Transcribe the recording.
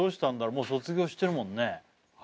もう卒業してるもんね。